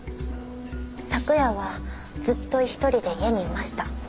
昨夜はずっと１人で家にいました。